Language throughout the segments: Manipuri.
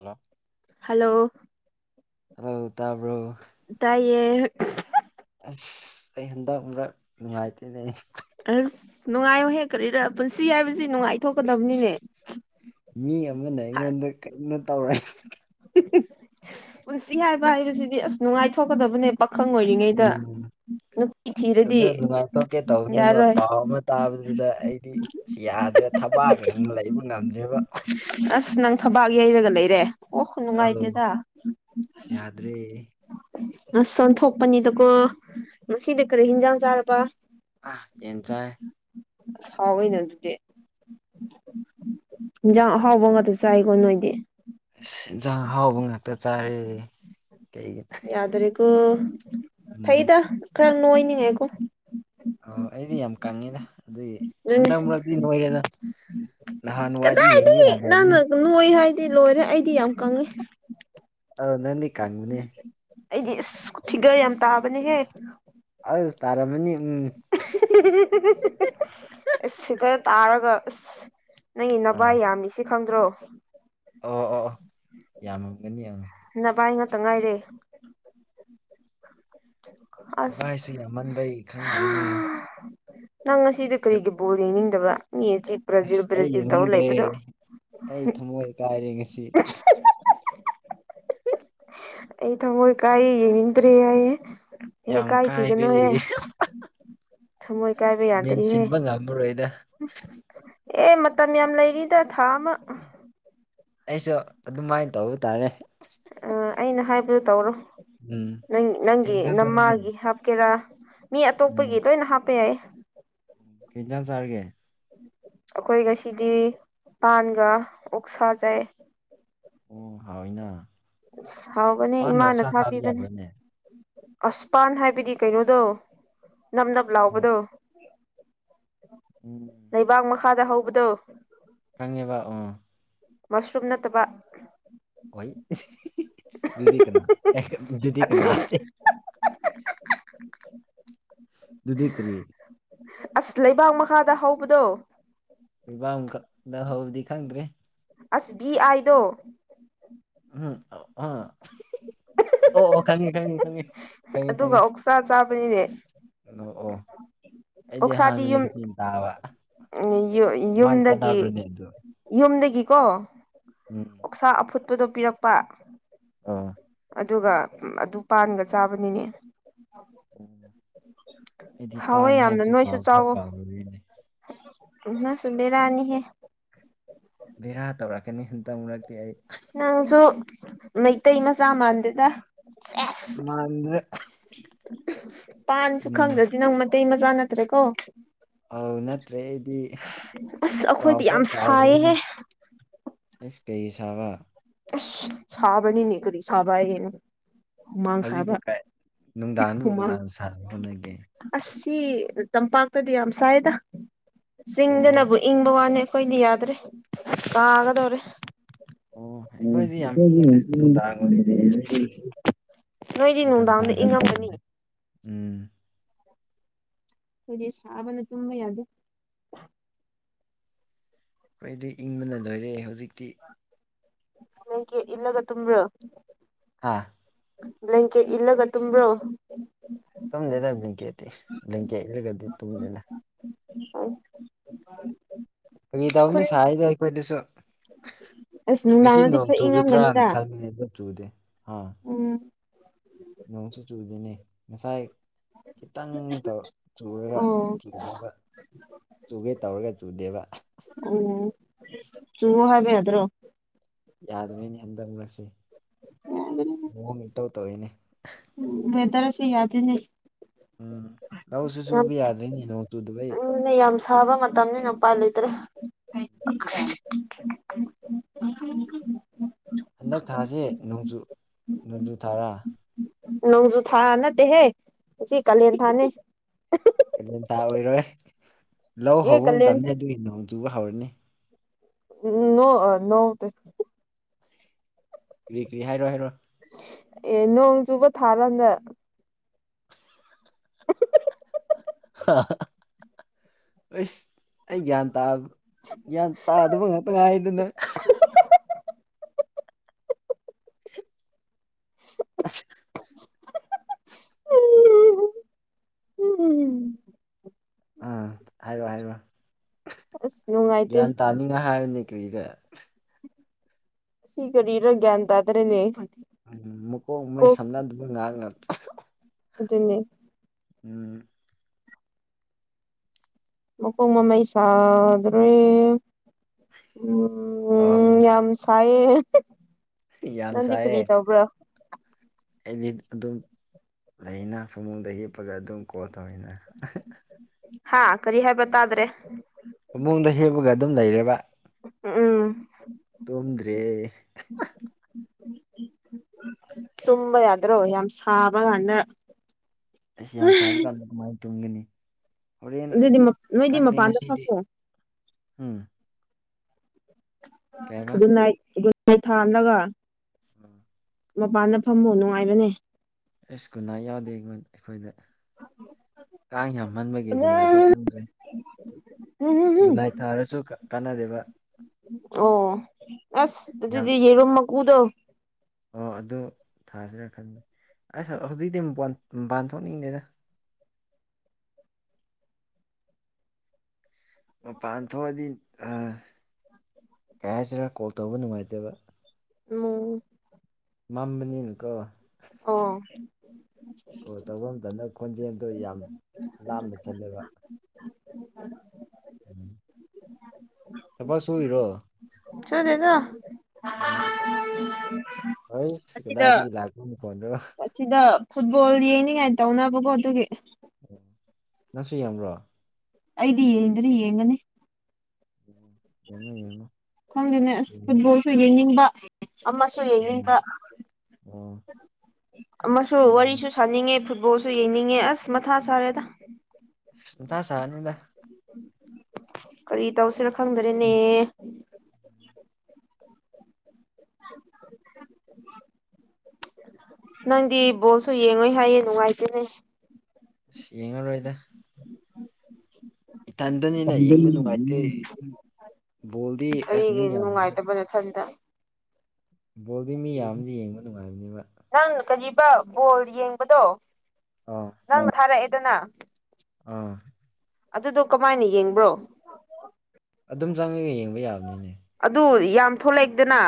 ꯍꯜꯂꯣ ꯍꯜꯂꯣ ꯍꯜꯂꯣ ꯇꯥꯕ꯭ꯔꯣ ꯇꯥꯏꯌꯦ ꯑꯁ ꯑꯩ ꯍꯟꯗꯛ ꯃꯔꯛ ꯅꯨꯡꯉꯥꯏꯇꯦꯅꯦ ꯑꯩ ꯑꯁ ꯅꯨꯡꯉꯥꯏꯌꯣꯍꯦ ꯀꯔꯤꯔ ꯄꯨꯟꯁꯤ ꯍꯥꯏꯕꯁꯤ ꯅꯨꯡꯉꯥꯏꯊꯣꯛꯀꯥꯗꯕꯅꯤꯅꯦ ꯃꯤ ꯑꯃꯅ ꯑꯩꯉꯣꯟꯗ ꯀꯔꯤꯅꯣ ꯇꯧꯔꯥ ꯄꯨꯟꯁꯤ ꯉꯥꯏꯕ ꯍꯥꯏꯕꯁꯤꯗꯤ ꯑꯁ ꯅꯨꯡꯉꯥꯏꯊꯣꯛꯀꯥꯗꯕꯅꯦ ꯄꯈꯪ ꯑꯣꯏꯔꯤꯉꯩ ꯎꯝ ꯑꯗꯥ ꯅꯨꯡꯉꯥꯏꯊꯣꯛꯀꯦ ꯇꯧꯕꯅꯦꯕ ꯌꯥꯔꯣꯏ ꯄꯥꯎ ꯑꯃ ꯇꯥꯕꯗꯨꯗ ꯑꯩꯗꯤ ꯑꯁ ꯌꯥꯗ꯭ꯔꯦ ꯊꯕꯥꯛ ꯀꯩ ꯂꯩꯕ ꯉꯝꯗ꯭ꯔꯦꯕ ꯑꯁ ꯅꯪ ꯊꯕꯥꯛ ꯌꯩꯔꯒ ꯂꯩꯔꯦ ꯑꯣ ꯑꯧ ꯅꯨꯡꯉꯥꯏꯇꯦꯗ ꯌꯥꯗ꯭ꯔꯦ ꯑꯁ ꯑꯣꯟꯊꯣꯛꯄꯅꯤꯗꯀꯣ ꯉꯁꯤꯗꯤ ꯀꯔꯤ ꯍꯤꯟꯖꯥꯡ ꯆꯥꯔꯕ ꯑ ꯌꯦꯟ ꯆꯥꯏ ꯑꯁ ꯍꯥꯎꯋꯩꯅ ꯑꯗꯨꯗꯤ ꯌꯦꯟꯁꯥꯡ ꯑꯍꯥꯎꯕ ꯉꯥꯛꯇ ꯆꯥꯏꯀꯣ ꯅꯣꯏꯗꯤ ꯑꯁ ꯏꯟꯁꯥꯡ ꯍꯥꯎꯕ ꯉꯥꯛꯇ ꯆꯥꯔ ꯀꯩꯒꯤ ꯌꯥꯗꯔꯤꯒꯣ ꯎꯝ ꯐꯩꯗ ꯈꯔꯪ ꯅꯣꯏꯣꯏꯅꯤꯉꯥꯏ ꯀꯣ ꯑꯣ ꯑꯩꯗꯤ ꯌꯥꯝ ꯀꯪꯉꯤꯗ ꯑꯗꯨꯏ ꯑꯗꯨꯅꯦ ꯍꯟꯗꯛ ꯃꯔꯛꯇꯤ ꯅꯣꯏꯔꯦꯅ ꯅꯍꯥꯟꯋꯥꯏꯗꯤ ꯌꯦꯡꯕ ꯀꯗꯥꯏꯗꯒꯤ ꯌꯥꯗꯕꯅꯤ ꯅꯪꯅ ꯅꯣꯏ ꯍꯥꯏꯗꯤ ꯂꯣꯏꯔꯦ ꯑꯩꯗꯤ ꯌꯥꯝ ꯀꯪꯉꯦ ꯑꯥ ꯅꯪꯗꯤ ꯌꯥꯝ ꯀꯪꯕꯥꯅꯤ ꯑꯩꯗꯤ ꯏꯁ ꯐꯤꯒꯔ ꯌꯥꯝ ꯇꯥꯕꯅꯦꯍꯦ ꯑꯁ ꯇꯥꯔꯝꯃꯅꯤ ꯎꯝ ꯐꯤꯒꯔ ꯇꯥꯔꯒ ꯅꯪ ꯑꯥ ꯅꯕꯥꯏ ꯌꯥꯝꯃꯤꯁꯤ ꯈꯪꯗ꯭ꯔꯣ ꯑꯣ ꯑꯣ ꯑꯣ ꯌꯥꯝꯃꯝꯒꯅꯤ ꯌꯥꯝꯉ ꯅ ꯚꯥꯏ ꯉꯥꯛꯇ ꯉꯥꯏꯔꯦ [inaudible] ꯑꯁ ꯏꯚꯥꯏꯁꯨ ꯌꯥꯝꯃꯟꯕꯩ ꯈꯪꯗ꯭ꯔꯤꯅꯦ ꯅꯪ ꯉꯁꯤꯗꯤ ꯀꯔꯤꯒꯤ ꯕꯣꯔ ꯌꯦꯡꯅꯤꯡꯗꯕ ꯃꯤ ꯏꯖꯤꯞ ꯑꯁ ꯑꯩ ꯌꯦꯡꯅꯤꯡꯗ꯭ꯔꯦ ꯑꯩ ꯊꯃꯣꯏ ꯀꯥꯏꯔꯦ ꯉꯁꯤ ꯑꯩ ꯊꯃꯣꯏ ꯀꯥꯏꯔꯤ ꯌꯦꯡꯅꯤꯡꯗ꯭ꯔꯦ ꯍꯥꯏꯑꯦ ꯍꯦ ꯌꯥꯝ ꯀꯥꯏꯔꯦ ꯀꯥꯏꯈꯤꯒꯅꯨꯍꯦ ꯊꯃꯣꯏ ꯀꯥꯏꯕ ꯌꯥꯗ꯭ꯔꯤꯍꯦ ꯃꯦꯟꯁꯤꯟꯕ ꯉꯝꯃꯔꯣꯏꯗ ꯑꯦ ꯃꯇꯝ ꯌꯥꯝ ꯂꯩꯔꯤꯗ ꯊꯥ ꯑꯃ ꯑꯩꯁꯨ ꯑꯗꯨꯃꯥꯏꯅ ꯇꯧꯕ ꯇꯥꯔꯦ ꯑ ꯑꯩꯅ ꯍꯥꯏꯕꯗꯨ ꯇꯧꯔꯣ ꯎꯝ ꯅꯪ ꯀꯩ ꯅꯪꯒꯤ ꯏꯟꯖꯥꯡ ꯆꯥꯔꯒꯦ ꯅꯃꯥꯒꯤ ꯍꯥꯞꯀꯦꯔꯥ ꯃꯤ ꯎꯝ ꯑꯇꯣꯞꯄꯒꯤ ꯂꯣꯏꯅ ꯍꯥꯞꯄ ꯌꯥꯏ ꯀꯩ ꯏꯟꯁꯥꯡ ꯆꯥꯔꯒꯦ ꯑꯩꯈꯣꯏ ꯉꯁꯤꯗꯤ ꯄꯥꯟꯒ ꯑꯣꯛꯁꯥ ꯆꯥꯌꯦ ꯑꯣ ꯍꯥꯎꯋꯤꯅ ꯑꯁ ꯍꯥꯎꯕꯅꯦ ꯄꯥꯟꯒ ꯏꯃꯥꯅ ꯑꯣꯛꯁꯥ ꯆꯥꯕ ꯊꯥꯕꯤꯕꯅꯦ ꯌꯥꯕ꯭ꯔꯥꯅꯦ ꯑꯁ ꯄꯥꯟ ꯍꯥꯏꯕꯗꯤ ꯀꯩꯅꯣꯗꯣ ꯅꯞ ꯅꯞ ꯑꯣ ꯂꯥꯎꯕꯗꯣ ꯎꯝ ꯂꯩꯕꯥꯛ ꯃꯈꯥꯗ ꯍꯧꯕꯗꯣ ꯈꯪꯉꯦꯕ ꯑꯣ ꯃꯁꯔꯨꯝ ꯅꯠꯇꯕ ꯑꯣꯏ ꯗꯨꯗꯤ ꯀꯅꯥ ꯗꯨꯗꯤ ꯑꯗꯨꯗꯤ ꯀꯅꯥꯗꯦ ꯑꯗꯨꯗꯤ ꯀꯔꯤ ꯑꯁ ꯂꯩꯕꯥꯛ ꯃꯈꯥꯗ ꯍꯧꯕꯗꯣ ꯂꯩꯕꯥꯛ ꯃꯈꯥꯗ ꯍꯧꯕꯗꯤ ꯈꯪꯗ꯭ꯔꯦ ꯑꯁ ꯕꯤ ꯑꯥꯏꯗꯣ [unintelligible] [unintelligible] ꯑꯣ ꯑꯣ ꯈꯪꯉꯦ ꯈꯪꯉꯦ ꯈꯪꯉꯦ ꯈꯪꯉꯦ ꯑꯗꯨꯒ ꯈꯪꯉꯦ ꯑꯣꯛꯁꯥ ꯆꯥꯕꯅꯤꯅꯦ ꯅꯣꯛꯑꯣ ꯑꯩꯗꯤ ꯑꯣꯛꯁꯥꯗꯤ ꯑꯍꯥꯟꯕꯅꯤ ꯌꯨꯝ ꯇꯤꯟ ꯇꯥꯕ ꯑꯗꯨꯃꯥꯏ ꯌꯨꯝꯗꯒꯤ ꯆꯠꯅꯕ꯭ꯔꯅꯦ ꯑꯗꯨ ꯌꯨꯝꯗꯒꯤꯀꯣ ꯎꯝ ꯑꯣꯛꯁꯥ ꯑꯐꯨꯠꯄꯗꯣ ꯄꯤꯔꯛꯄ ꯑꯣ ꯑꯗꯨꯒ ꯑꯗꯨ ꯄꯥꯟꯒ ꯆꯥꯕꯅꯤꯅꯦ ꯎꯝ ꯑꯩꯗꯤ ꯍꯥꯎꯋꯦ ꯄꯥꯟ ꯌꯥꯝꯅ ꯍꯥꯏꯕꯁꯦ ꯅꯣꯏꯁꯨ ꯀꯥꯎ ꯐꯥꯎ ꯆꯥꯎꯋꯣ ꯀꯥꯎꯔꯨꯔꯦꯅꯦ ꯅꯪꯁꯨ ꯕꯦꯔꯥꯅꯤꯍꯦ ꯕꯦꯔꯥ ꯇꯧꯔꯛꯀꯅꯤ ꯍꯟꯇꯛ ꯃꯔꯛꯇꯤ ꯑꯩ ꯅꯪꯁꯨ ꯃꯩꯇꯩ ꯃꯆꯥ ꯃꯥꯟꯗꯦꯗ ꯁꯦꯁ ꯃꯥꯟꯗ꯭ꯔꯦ ꯄꯥꯟꯁꯨ ꯎꯝ ꯈꯪꯗꯗꯤ ꯅꯪ ꯃꯩ ꯇꯩ ꯃꯆꯥ ꯅꯠꯇ꯭ꯔꯦꯀꯣ ꯑꯧ ꯅꯠꯇ꯭ꯔꯦ ꯑꯩꯗꯤ ꯑꯁ ꯑꯩꯈꯣꯏꯗꯤ ꯀꯥꯎꯐꯥꯎ ꯌꯥꯝ ꯀꯥꯎꯔꯨꯔꯦꯅꯦ ꯁꯥꯏꯌꯦꯍꯦ ꯑꯁ ꯀꯩꯒꯤ ꯁꯥꯕ ꯑꯁ ꯁꯥꯥꯕꯅꯤꯅꯦ ꯀꯔꯤ ꯁꯥꯕ ꯍꯥꯏꯌꯦꯅꯦ ꯍꯧꯖꯤꯛꯄꯨ ꯀꯥꯏ ꯅꯨꯡꯗꯥꯡꯗꯕꯨ ꯍꯨꯃꯥꯡ ꯀꯅꯥꯅ ꯁꯥꯕ ꯍꯧꯅꯒꯦ ꯑꯁ ꯁꯤ ꯇꯝꯄꯥꯛꯇꯗꯤ ꯌꯥꯝ ꯁꯥꯏꯌꯦꯗ ꯑꯣ ꯆꯤꯡꯗꯅꯕꯨ ꯏꯪꯕ ꯋꯥꯅꯦ ꯑꯩꯈꯣꯏꯗꯤ ꯌꯥꯗ꯭ꯔꯦ ꯀꯥꯒꯗꯧꯔꯦ ꯑꯣ ꯑꯩꯈꯣꯏꯗꯤ ꯌꯥꯝ ꯏꯪꯉꯤꯗ ꯅꯨꯡꯗꯥꯡ ꯑꯣꯏꯗꯤ ꯑꯩꯁ ꯅꯣꯏꯗꯤ ꯅꯤꯡꯊꯝ ꯅꯨꯡꯗꯥꯡꯗ ꯊꯥꯒ ꯆꯞ ꯏꯪꯉꯝꯒꯅꯤ ꯃꯥꯅꯩ ꯎꯝ ꯑꯩꯈꯣꯏꯗꯤ ꯁꯥꯕꯅ ꯇꯨꯝꯕ ꯌꯥꯗꯦ ꯈꯣꯏꯗꯤ ꯏꯪꯕꯅ ꯂꯣꯏꯔꯦ ꯍꯧꯖꯤꯛꯇꯤ ꯕ꯭ꯂꯦꯡꯀꯦꯠ ꯏꯜꯂꯒ ꯇꯨꯝꯕ꯭ꯔꯣ ꯍꯥꯥ ꯕ꯭ꯂꯦꯡꯀꯦꯠ ꯏꯜꯂꯒ ꯇꯨꯝꯕ꯭ꯔꯣ ꯇꯨꯝꯗꯦꯗ ꯕ꯭ꯂꯦꯡꯀꯦꯠꯇꯤ ꯕ꯭ꯂꯦꯡꯀꯦꯠ ꯏꯜꯂꯒꯗꯤ ꯇꯨꯝꯗꯦꯗ [unintelligible] ꯐꯥꯒꯤ ꯈꯨꯟ ꯇꯧꯕꯅꯤ ꯁꯥꯏꯗ ꯑꯩꯈꯣꯏꯗꯁꯨ ꯑꯁ ꯉꯁꯤ ꯅꯨꯡꯗꯥꯡꯗꯗꯤ ꯅꯣꯡ ꯈꯔ ꯆꯨꯒꯗ꯭ꯔꯥꯅ ꯏꯪꯉꯝꯒꯅꯤꯗ ꯈꯟꯕꯅꯦ ꯑꯗꯨ ꯆꯨꯗꯦ ꯑ ꯎꯝ ꯅꯣꯡꯁꯨ ꯆꯨꯗꯦꯅꯦ ꯉꯁꯥꯏ ꯈꯤꯇꯪꯗꯣ ꯆꯨꯔꯒ ꯑꯣ ꯈꯤꯛꯂꯒ ꯆꯨꯒꯦ ꯇꯧꯔꯒ ꯆꯨꯗꯦꯕ ꯑꯣ ꯆꯨꯋꯣ ꯍꯥꯏꯕ ꯌꯥꯗ꯭ꯔꯣ ꯌꯥꯗꯕꯩꯅꯦ ꯍꯟꯗꯛ ꯃꯔꯛꯁꯦ ꯌꯥꯒꯅꯤ ꯃꯑꯣꯡꯃ ꯏꯇꯧ ꯇꯧꯏꯅꯦ ꯎꯝ ꯋꯦꯗꯔꯁꯦ ꯌꯥꯗꯦꯅꯦ ꯎꯝ ꯂꯧꯁꯨ ꯁꯨꯕ ꯌꯥꯗ꯭ꯔꯦꯅꯦ ꯅꯣꯡ ꯆꯨꯗꯕꯩ ꯑꯩ ꯌꯥꯝ ꯁꯥꯕ ꯃꯇꯝꯅꯤꯅ ꯎꯄꯥꯏ ꯂꯩꯇ꯭ꯔꯦ ꯍꯟꯗꯛ ꯊꯥꯁꯦ ꯅꯣꯡꯖꯨ ꯅꯣꯡꯖꯨ ꯊꯥꯔꯥ ꯅꯣꯡꯖꯨ ꯊꯥ ꯅꯠꯇꯦꯍꯦ ꯁꯤ ꯀꯥꯂꯦꯟ ꯊꯥꯅꯦ ꯀꯥꯂꯦꯟꯊꯥ ꯑꯣꯏꯔꯣꯏꯍꯦ ꯂꯧ ꯑꯦ ꯍꯧꯕ ꯀꯥꯂꯦꯟ ꯃꯇꯝꯅꯦ ꯑꯗꯨꯒꯤ ꯅꯣꯡ ꯆꯨꯕ ꯍꯧꯔꯅꯤ ꯎꯝ ꯅꯣꯛꯑ ꯅꯣꯛꯇꯦ ꯀ꯭ꯔꯤ ꯀ꯭ꯔꯤ ꯍꯥꯏꯔꯣ ꯍꯥꯏꯔꯣ ꯑꯦ ꯅꯣꯡ ꯆꯨꯕ ꯊꯥꯔꯅꯦ ꯑꯩꯁ ꯑꯩ ꯒ꯭ꯌꯥꯟ ꯇꯥꯕ ꯌꯥꯟ ꯇꯥꯗꯕ ꯉꯥꯛꯇ ꯉꯥꯏꯗꯅ [unintelligible] [inaudible] [inaudible] ꯑꯥ ꯍꯥꯏꯔꯣ ꯍꯥꯏꯔꯣ ꯑꯁ ꯅꯨꯡꯉꯥꯏꯇꯦ ꯒꯤꯌꯥꯟ ꯇꯥꯅꯤꯡꯉꯥꯏ ꯍꯥꯏꯕꯅꯦ ꯀꯔꯤꯔ ꯁꯤ ꯀꯔꯤꯔ ꯒꯤꯌꯥꯟ ꯇꯥꯗ꯭ꯔꯦꯅꯦ ꯎꯝ ꯃꯀꯣꯛ ꯃꯩ ꯀꯣꯛ ꯁꯝꯅꯗꯕ ꯉꯥꯛ ꯉꯥꯛꯇ ꯑꯗꯨꯅꯦ ꯎꯝ꯫ ꯃꯀꯣꯡ ꯃꯃꯩ ꯁꯥꯗ꯭ꯔꯦ ꯑꯥꯎ ꯎꯝ ꯌꯥꯝ ꯁ ꯍꯥꯏꯌꯦ ꯌꯥꯝ ꯅꯪꯗꯤ ꯀꯔꯤ ꯁꯥꯏꯌꯦ ꯇꯧꯕ꯭ꯔꯥ꯫ ꯑꯩꯗꯤ ꯑꯗꯨꯝ ꯂꯩꯅ ꯐꯃꯨꯡꯗ ꯍꯤꯞꯄꯒ ꯑꯗꯨꯝ ꯀꯣꯜ ꯇꯧꯑꯦꯅ ꯍꯥꯥ ꯀꯔꯤ ꯍꯥꯏꯕ ꯇꯥꯗ꯭ꯔꯦ꯫ ꯐꯃꯨꯡꯗ ꯍꯤꯞꯄꯒ ꯑꯗꯨꯝ ꯂꯩꯔꯦꯕ꯫ ꯎꯝ꯫ ꯇꯨꯝꯗ꯭ꯔꯦꯍꯦ ꯇꯨꯝꯕ ꯌꯥꯗ꯭ꯔꯣ ꯌꯥꯝ ꯁꯥꯕ ꯀꯥꯟꯗ ꯑꯁ ꯌꯥꯝ ꯁꯥꯕ ꯀꯥꯟꯗ ꯀꯃꯥꯏ ꯇꯨꯝꯒꯅꯤ ꯍꯣꯔꯦꯟ ꯑꯗꯨꯗꯤ ꯅꯣꯏꯗꯤ ꯈꯪꯗꯦ ꯃꯄꯥꯟꯗ ꯉꯁꯤꯗꯤ ꯐꯝꯃꯣ ꯎꯝ ꯀꯩ ꯍꯥꯏꯕ ꯒꯨꯠ ꯅꯥꯏꯠ ꯒꯨꯠ ꯅꯥꯏꯠ ꯊꯥꯜꯂꯒ ꯑꯥ ꯃꯄꯥꯟꯗ ꯐꯝꯃꯣ ꯅꯨꯡꯉꯥꯏꯕꯅꯦ ꯑꯁ ꯀꯨꯟꯅꯥ ꯌꯥꯎꯗꯦ ꯑꯩꯉꯣꯟ ꯑꯩꯈꯣꯏꯗ ꯀꯥꯡ ꯌꯥꯝꯃꯟꯕꯒꯤ ꯒꯨꯠ ꯅꯥꯏꯠ ꯐꯥꯎ ꯆꯪꯗ꯭ꯔꯦ ꯒꯨꯟꯅꯥꯏ ꯊꯥꯔꯁꯨ ꯀꯥꯟꯅꯗꯦꯕ [inaudible] ꯑꯣ ꯑꯁ ꯑꯗꯨꯗꯤ ꯌꯥꯝ ꯌꯦꯔꯨꯝ ꯃꯀꯨꯗꯣ ꯑꯣ ꯑꯗꯨ ꯊꯖꯔ ꯈꯟ ꯑꯁ ꯍꯧꯖꯤꯛꯇꯤ ꯃꯄꯥꯟ ꯃꯄꯥꯟ ꯊꯣꯛꯅꯤꯡꯗꯦꯗ ꯃꯄꯥꯟ ꯊꯣꯛꯑꯗꯤ ꯑ ꯀꯩ ꯍꯥꯏꯁꯤꯔꯥ ꯀꯣꯜ ꯇꯧꯕ ꯅꯨꯡꯉꯥꯏꯇꯦꯕ ꯃꫭ ꯃꯥꯝꯃꯅꯤꯅꯀꯣ ꯑꫭ ꯀꫭꯜ ꯇꯧꯕ ꯃꯇꯝꯗ ꯈꯣꯟꯖꯦꯜꯗꯣ ꯌꯥꯝ ꯂꯥꯞꯅ ꯆꯠꯂꯦꯕ ꯎꯝ꯫ ꯊꯕꯛ ꯁꯨꯔꯤꯔꫭ ꯁꯨꯗꯦꯗ ꯎꯝ ꯍꯣꯏꯁ ꯀꯗꯥꯏꯗꯒꯤ ꯂꯥꯛꯄ ꯃꯈꫭꯟꯔꯣ ꯁꯤꯗ ꯐꯨꯠꯕꯣꯜ ꯌꯦꯡꯅꯤꯡꯉꯥꯏ ꯇꯧꯅꯕꯀꯣ ꯑꯗꯨꯒꯤ ꯑꯣ ꯅꯪꯁꯨ ꯌꯦꯡꯕ꯭ꯔꯣ ꯑꯩꯗꯤ ꯌꯦꯡꯗꯥꯗꯤ ꯌꯦꯡꯉꯅꯤ ꯑꯣ ꯈꯪꯗꯦꯅꯦ ꯑꯁ ꯐꯨꯠꯕꯣꯜꯁꯨ ꯌꯦꯡꯅꯤꯡꯕ ꯑꯃꯁꯨ ꯌꯦꯡꯅꯤꯡꯕ ꯎꯝ ꯑꯣ ꯑꯃꯁꯨ ꯑꯗꯨꯅꯤ ꯋꯥꯔꯤꯁꯨ ꯁꯥꯅꯤꯡꯉꯦ ꯐꯨꯠꯕꯣꯜꯁꯨ ꯌꯦꯡꯅꯤꯡꯉꯦ ꯑꯁ ꯃꯊꯥ ꯁꯥꯔꯦꯗ ꯑꯁ ꯃꯊꯥ ꯁꯥꯅꯨꯗ ꯀꯔꯤ ꯇꯧꯁꯤꯔꯥ ꯈꯪꯗꯔꯦꯅꯦ꯫ [inaudible] ꯅꯪꯗꯤ ꯕꯣꯜꯁꯨ ꯌꯦꯡꯉꯣꯏ ꯍꯥꯏꯌꯦ ꯅꯨꯡꯉꯥꯏꯇꯦꯅꯦ ꯁ ꯌꯦꯡꯉꯔꯣꯏꯗ ꯏꯊꯟꯗꯅꯤꯅ ꯌꯦꯡꯕ ꯅꯨꯡꯉꯥꯏꯇꯦ ꯕꯣꯜꯗꯤ ꯑꯁ ꯀꯔꯤꯒꯤ ꯃꯤ ꯌꯥꯝꯗꯦ ꯅꯨꯡꯉꯥꯏꯇꯕ ꯅꯊꯟꯇ ꯕꯣꯜꯗꯤ ꯃꯤ ꯌꯥꯝꯗꯤ ꯌꯦꯡꯕ ꯅꯨꯡꯉꯥꯏꯕꯅꯦꯕ ꯅꯪ ꯀꯔꯤꯕ ꯕꯣꯜ ꯌꯦꯡꯕꯗꯣ ꯑꯥ ꯅꯪ ꯑꯥ ꯊꯥꯔꯛꯑꯦꯗꯅ ꯑꯥ ꯑꯗꯨꯗꯣ ꯀꯃꯥꯏꯅ ꯌꯦꯡꯕ꯭ꯔꯣ ꯑꯗꯨꯝ ꯆꯪꯉꯒ ꯌꯦꯡꯕ ꯌꯥꯕꯅꯤꯅꯦ ꯑꯗꯨ ꯌꯥꯝ ꯊꯣꯛꯂꯦꯛꯗꯦꯅ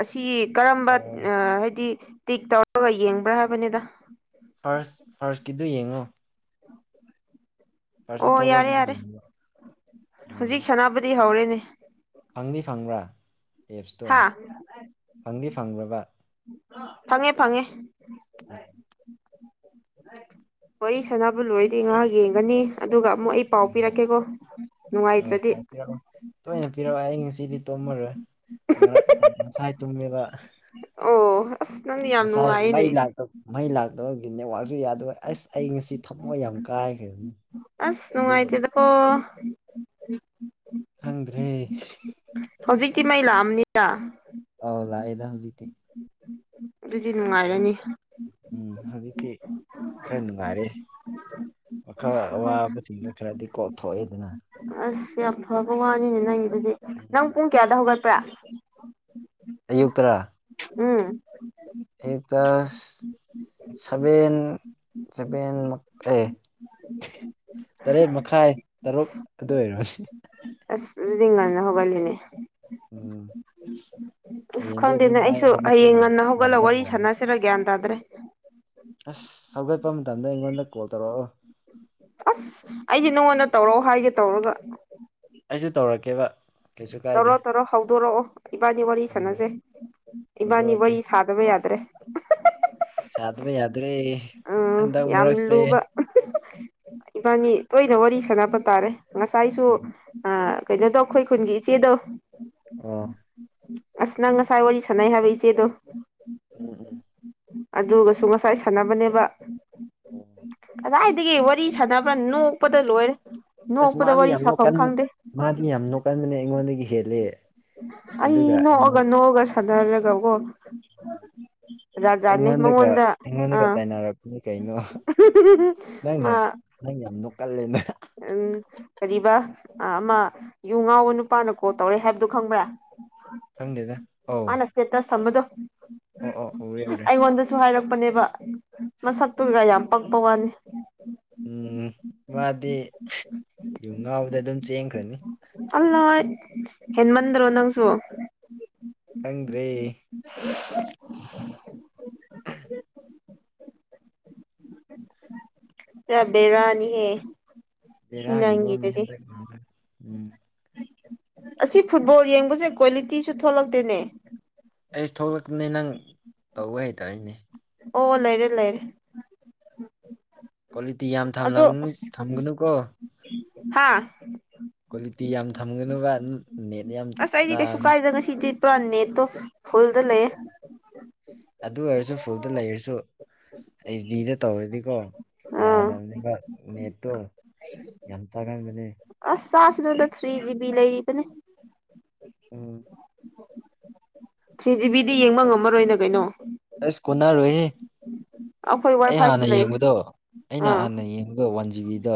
ꯑꯁꯤ ꯀꯔꯝꯕ ꯑꯣ ꯑꯥ ꯍꯥꯏꯗꯤ ꯇꯤꯛ ꯇꯧꯔꯒ ꯌꯦꯡꯕ꯭ꯔꯥ ꯍꯥꯏꯕꯅꯤꯗ ꯐꯥꯔꯁ ꯐꯥꯔꯁꯀꯤꯗꯨ ꯌꯦꯡꯉꯣ ꯐꯥꯔꯁꯇ ꯑꯣ ꯌꯥꯔꯦ ꯊꯣꯛꯂꯛꯄꯗꯨ ꯌꯥꯔꯦ ꯌꯦꯡꯉꯣ ꯎꯝ ꯍꯧꯖꯤꯛ ꯁꯅꯥꯅꯕꯗꯤ ꯍꯧꯔꯦꯅꯦ ꯐꯪꯗꯤ ꯐꯪꯕ꯭ꯔꯥ ꯑꯦꯞꯁꯇꯣ ꯍꯥ ꯐꯪꯗꯤ ꯐꯪꯕ꯭ꯔꯕ ꯐꯪꯉꯦ ꯐꯪꯉꯦ ꯎꯝ ꯋꯥꯔꯤ ꯁꯅꯕꯨ ꯂꯣꯏꯔꯗꯤ ꯉꯍꯥꯛ ꯌꯦꯡꯒꯅꯤ ꯑꯗꯨꯒ ꯑꯃꯨꯛ ꯑꯩ ꯄꯥꯎ ꯄꯤꯔꯛꯀꯦꯀꯣ ꯅꯨꯡꯉꯥꯏꯇ꯭ꯔꯗꯤ ꯌꯥꯔꯣꯏ ꯇꯣꯏꯅ ꯄꯤꯔꯛꯑꯣ ꯑꯩ ꯉꯁꯤꯗꯤ ꯇꯣꯃꯔꯣꯏ ꯉꯔꯥꯡ ꯉꯁꯥꯏ ꯇꯨꯝꯃꯦꯕ ꯑꯍꯥ ꯑꯣ ꯑꯁ ꯅꯪꯗꯤ ꯌꯥꯝ ꯉꯁꯥꯏ ꯃꯩ ꯅꯨꯡꯉꯥꯏꯌꯦꯅꯦ ꯂꯥꯛꯇ ꯃꯩ ꯂꯥꯛꯇꯕꯒꯤ ꯅꯦꯠꯋꯥꯥꯛꯁꯨ ꯌꯥꯗꯕꯣꯏ ꯑꯁ ꯑꯩ ꯉꯁꯤ ꯊꯝꯃꯣꯏ ꯌꯥꯝ ꯀꯥꯏꯈ꯭ꯔꯕꯅꯤ ꯑꯁ ꯑꯗꯨꯒꯤ ꯅꯨꯡꯉꯥꯏꯇꯦꯗꯀꯣ ꯈꯪꯗ꯭ꯔꯦ [unintelligible] ꯍꯧꯖꯤꯛꯇꯤ ꯃꯩ ꯂꯥꯛꯑꯝꯅꯤꯗ ꯑꯧ ꯂꯥꯛꯑꯦꯗ ꯍꯧꯖꯤꯛꯇꯤ ꯑꯗꯨꯗꯤ ꯍꯧꯖꯤꯛ ꯅꯨꯡꯉꯥꯏꯔꯅꯤ ꯎꯝ ꯍꯧꯖꯤꯛꯇꯤ ꯈꯔ ꯅꯨꯡꯉꯥꯏꯔꯦ ꯋꯈꯥ ꯑꯋꯥꯕꯁꯤꯡꯗꯨ ꯈꯔꯗꯤ ꯀꯣꯛꯊꯣꯛꯑꯦꯗꯅ ꯑꯁ ꯌꯥꯝ ꯐꯕ ꯋꯥꯅꯤꯅꯦ ꯅꯪꯒꯤꯗꯨꯗꯤ ꯅꯪ ꯎꯝ ꯄꯨꯡ ꯀꯌꯥꯗ ꯍꯧꯒꯠꯄ꯭ꯔꯥ ꯑꯌꯨꯛꯇꯔꯥ [unintelligible] ꯎꯝ ꯑꯌꯨꯛꯇ [unintelligible] ꯁꯚꯦꯟ ꯁꯕꯦꯟꯃꯛ ꯑꯦ [unintelligible] ꯇꯔꯦꯠ ꯃꯈꯥꯏ ꯇꯔꯨꯛ ꯑꯗꯨ ꯑꯣꯏꯔꯕꯅꯤ [unintelligible] ꯑꯁ ꯑꯗꯨꯗꯤ ꯉꯟꯅ ꯍꯧꯒꯠꯂꯤꯅꯦ ꯎꯝ ꯑꯁ ꯍꯌꯦꯡꯗꯤ ꯈꯪꯗꯦꯅꯦ ꯑꯗꯨꯝꯃꯥꯏ ꯑꯩꯁꯨ ꯍꯧꯒꯠꯄ ꯍꯌꯦꯡ ꯉꯝ ꯉꯟꯅ ꯍꯧꯒꯠꯂ ꯉꯝꯗꯧ ꯋꯥꯔꯤ ꯃꯥꯟꯗꯦ ꯁꯥꯟꯅꯁꯤꯔ ꯒ꯭ꯌꯥꯟ ꯇꯥꯗ꯭ꯔꯦ ꯑꯁ ꯍꯧꯒꯠꯄ ꯃꯇꯝꯗ ꯑꯩꯉꯣꯟꯗ ꯀꯣꯜ ꯇꯧꯔꯛꯑꯣ ꯑꯁ ꯑꯩꯗꯤ ꯅꯉꯣꯟꯗ ꯇꯧꯔꯛꯑꯣ ꯍꯥꯏꯒꯦ ꯇꯧꯔꯒ ꯑꯩꯁꯨ ꯇꯧꯔꯛꯀꯦꯕ ꯀꯩꯁꯨ ꯇꯧꯔꯣ ꯀꯥꯏꯗꯦ ꯇꯧꯔꯣ ꯍꯧꯗꯣꯔꯛꯑꯣ ꯏꯕꯥꯟꯅꯤ ꯋꯥꯔꯤ ꯎꯝ ꯁꯥꯟꯅꯁꯦ ꯏꯕꯥꯟꯅꯤ ꯍꯧꯗꯣꯔꯛꯀꯦ ꯋꯥꯔꯤ ꯁꯥꯗꯕ ꯌꯥꯗ꯭ꯔꯦ ꯆꯥꯗꯕ ꯌꯥꯗ꯭ꯔꯦ ꯎꯝ ꯍꯟꯗꯛ ꯌꯥꯝ ꯃꯔꯛꯁꯦ꯫ ꯂꯨꯕ ꯏꯕꯥꯅꯤ ꯇꯣꯏꯅ ꯋꯥꯔꯤ ꯁꯥꯟꯅꯕ ꯇꯥꯔꯦ ꯉꯁꯥꯏꯁꯨ ꯎꯝ ꯑꯥ ꯀꯩꯅꯣꯗꯣ ꯑꯈꯣꯏ ꯈꯨꯟꯒꯤ ꯏꯆꯦꯗꯣ ꯑꯣ ꯑꯁ ꯅꯪ ꯉꯁꯥꯏ ꯋꯥꯔꯤ ꯁꯥꯟꯅꯩ ꯍꯥꯏꯕ ꯏꯆꯦꯗꯣ ꯎꯝ ꯎꯝ ꯑꯗꯨꯒꯁꯨ ꯉꯁꯥꯏ ꯁꯥꯟꯅꯕꯅꯦꯕ꯫ ꯑꯣ ꯀꯗꯥꯏꯗꯒꯤ ꯋꯥꯔꯤ ꯁꯥꯟꯅꯕ ꯅꯣꯛꯄꯗ ꯂꯣꯏꯔꯦ ꯑꯁ ꯅꯣꯛꯄꯗ ꯃꯥꯗꯤ ꯋꯥꯔꯤ ꯌꯥꯝ ꯁꯥꯐꯝ ꯅꯣꯛꯀꯟ ꯈꯪꯗꯦ꯫ ꯃꯥꯗꯤ ꯌꯥꯝ ꯅꯣꯛꯀꯟꯕꯅꯦ ꯑꯩꯉꯣꯟꯗꯒꯤ ꯍꯦꯂꯦ꯫ ꯑꯩ ꯅꯣꯛꯑꯒ ꯅꯣꯛꯑꯒ ꯁꯥꯟꯅꯔꯒꯀꯣ ꯖꯥꯠ ꯖꯥꯠꯅꯦ ꯑꯩꯉꯣꯟꯗꯒ ꯃꯉꯣꯟꯗ ꯑꯩꯉꯣꯟꯗꯒ ꯑꯥ ꯇꯥꯏꯅꯔꯛꯄꯅꯤ ꯀꯩꯅꯣ ꯅꯪ ꯃꯥ ꯅꯣꯛ ꯅꯪ ꯌꯥꯝ ꯅꯣꯛꯀꯜꯂꯤꯅꯥ ꯎꯝ ꯀꯔꯤꯕ ꯑ ꯑꯃ ꯌꯨ ꯉꯥꯎꯕ ꯅꯨꯄꯥꯅ ꯀꯣꯜ ꯇꯧꯔꯦ ꯍꯥꯏꯕꯗꯨ ꯈꯪꯕ꯭ꯔꯥ? ꯈꯪꯗꯦꯗ ꯑꯧ ꯁ꯭ꯇꯦꯇꯁ ꯊꯝꯕꯗꯣ ꯑꯣ ꯑꯣ ꯎꯔꯦ꯫ ꯎꯔꯦ ꯑꯩꯉꯣꯟꯗꯁꯨ ꯍꯥꯏꯔꯛꯄꯅꯦꯕ ꯃꯁꯛꯇꯨꯒ ꯌꯥꯝ ꯄꯛꯄ ꯋꯥꯅꯤ꯫ ꯎꯝ ꯃꯥꯗꯤ ꯌꯨ ꯉꯥꯎꯕꯗ ꯑꯗꯨꯝ ꯆꯦꯟꯈ꯭ꯔꯅꯤ꯫ ꯑꯜꯂ ꯍꯦꯟꯃꯟꯗ꯭ꯔꯣ ꯅꯪꯁꯨ ꯈꯪꯗ꯭ꯔꯦ [unintelligible] [unintelligible] ꯕꯦꯔꯥꯅꯤꯍꯦ ꯕꯦꯔꯥꯒꯤ ꯕꯣꯝꯅꯦ ꯅꯪꯒꯤꯗꯨꯗꯤ ꯍꯟꯗꯛꯅ ꯎꯝ ꯑꯁꯤ ꯐꯨꯠꯕꯣꯜ ꯌꯦꯡꯕꯁꯦ ꯀ꯭ꯋꯥꯂꯤꯇꯤꯁꯨ ꯊꯣꯛꯂꯛꯇꯦꯅꯦ꯫ ꯑꯩꯁ ꯊꯣꯛꯂꯛꯄꯅꯤ ꯅꯪ ꯇꯧꯕ ꯍꯩꯇꯕꯩꯅꯦ꯫ ꯑꯣ ꯂꯩꯔꯦ ꯂꯩꯔꯦ꯫ ꯀ꯭ꯋꯥꯂꯤꯇꯤ ꯌꯥꯝ ꯊꯝꯂꯝ ꯊꯝꯒꯅꯨꯀꯣ꯫ ꯍꯥꯥ ꯀ꯭ꯋꯥꯂꯤꯇꯤ ꯌꯥꯝ ꯊꯝꯒꯅꯨꯕ ꯅꯦꯠ ꯌꯥꯝ ꯑꯁ ꯑꯩꯗꯤ ꯀꯩꯁꯨ ꯆꯥꯕꯅꯦ ꯀꯥꯏꯗꯦ ꯉꯁꯤꯗꯤ ꯄꯨꯔꯥ ꯅꯦꯠꯇꯣ ꯐꯨꯜꯗ ꯂꯩꯌꯦ꯫ ꯑꯗꯨ ꯑꯣꯏꯔꯁꯨ ꯐꯨꯜꯗ ꯂꯩꯔꯁꯨ ꯑꯩꯁ ꯗꯤꯗ ꯇꯧꯔꯗꯤꯀꯣ ꯑꯥ ꯌꯥꯗꯕꯅꯤꯕ꯫ ꯅꯦꯠꯇꯣ ꯌꯥꯝ ꯆꯪꯒꯟꯕꯅꯦ꯫ ꯑꯁ ꯆꯥꯁꯅꯨꯗ ꯊ꯭ꯔꯤ ꯖꯤꯕꯤ ꯂꯩꯔꯤꯕꯅꯦ꯫ ꯎꯝ ꯊ꯭ꯔꯤ ꯖꯤꯕꯤꯗꯤ ꯌꯦꯡꯕ ꯉꯝꯃꯔꯣꯏꯅ ꯀꯩꯅꯣ ꯑꯦꯁ ꯀꯣꯟꯅꯔꯣꯏꯍꯦ ꯑꯩꯈꯣꯏ ꯋꯥꯏ ꯑꯩ ꯐꯥꯏꯁꯨ ꯍꯥꯟꯅ ꯂꯩ ꯌꯦꯡꯕꯗꯣ ꯑꯩꯅ ꯑꯥ ꯍꯥꯟꯅ ꯌꯦꯡꯕꯗꯣ ꯋꯥꯟ ꯖꯤꯕꯤꯗꯣ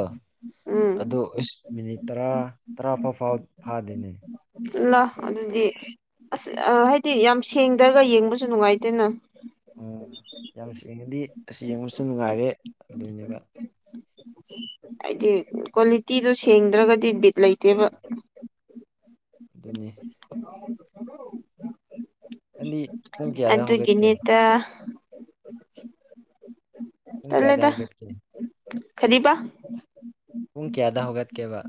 ꯎꯝ ꯏꯁ ꯃꯤꯅꯤꯠ ꯇꯔꯥ ꯇꯔꯥ ꯐꯥꯎ ꯐꯥꯎ ꯐꯥꯗꯦꯅꯦ꯫ ꯂꯥ ꯑꯗꯨꯗꯤ ꯑꯁ ꯑꯃꯥ ꯍꯥꯏꯗꯤ ꯌꯥꯝ ꯁꯦꯡꯗ꯭ꯔꯒ ꯌꯦꯡꯕꯁꯨ ꯅꯨꯡꯉꯥꯏꯇꯦꯅ꯫ ꯎꯝ ꯌꯥꯝ ꯁꯦꯡꯉꯗꯤ ꯑꯁ ꯌꯦꯡꯕꯁꯨ ꯅꯨꯡꯉꯥꯏꯔꯦ ꯑꯗꯨꯅꯦꯕ꯫ ꯑꯩꯗꯤ ꯀ꯭ꯋꯥꯂꯤꯇꯤꯗꯣ ꯁꯦꯡꯗ꯭ꯔꯒꯗꯤ ꯕꯤꯠ ꯂꯩꯇꯦꯕ꯫ ꯑꯗꯨꯅꯤ [unintelligible] ꯑꯅꯤ ꯄꯨꯡ ꯀꯌꯥꯗ ꯍꯧꯒꯠꯀꯦ ꯇꯦ ꯄꯨꯡ ꯀꯌꯥꯗ ꯇꯜꯂꯦꯗꯥ ꯍꯧꯒꯠꯀꯦ ꯀꯔꯤꯕ ꯄꯨꯡ ꯀꯌꯥꯗ ꯍꯧꯒꯠꯀꯦꯕ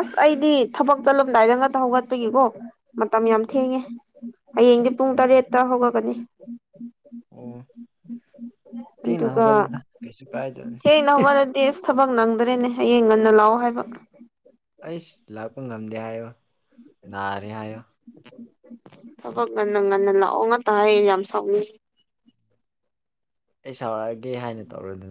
ꯑꯁ ꯑꯩꯗꯤ ꯊꯕꯛ ꯆꯠꯂꯝꯗꯥꯏꯗ ꯉꯥꯛꯇ ꯍꯧꯒꯠꯄꯒꯤꯀꯣ ꯃꯇꯝ ꯌꯥꯝ ꯑꯣ ꯊꯦꯡꯉꯦ ꯍꯌꯦꯡꯗꯤ ꯄꯨꯡ ꯑꯣ ꯇꯔꯦꯠꯇ ꯍꯧꯒꯠꯒꯅꯤ ꯑꯣ ꯊꯦꯡꯅ ꯑꯗꯨꯒ ꯍꯧꯒꯠꯂꯨꯗ ꯀꯩꯁꯨ ꯀꯥꯏꯗꯝꯅꯤ ꯊꯦꯡꯅ ꯍꯧꯒꯠꯂꯗꯤ ꯑꯁ ꯊꯕꯛ ꯅꯪꯗ꯭ꯔꯦꯅꯦ ꯍꯌꯦꯡ ꯉꯟꯅ ꯂꯥꯛꯑꯣ ꯍꯥꯏꯕ ꯑꯩꯁ ꯂꯥꯛꯄ ꯉꯝꯗꯦ ꯍꯥꯏꯌꯣ ꯅꯥꯔꯦ ꯍꯥꯏꯌꯣ ꯊꯕꯛ ꯉꯟꯅ ꯉꯟꯅ ꯂꯥꯛꯑꯣ ꯉꯥꯛꯇ ꯍꯥꯏꯌꯦ ꯌꯥꯝ ꯁꯥꯎꯅꯤꯡꯉꯦ ꯑꯩ ꯁꯥꯎꯔꯛꯑꯒꯦ ꯍꯥꯏꯅ ꯇꯧꯔꯣꯗꯨ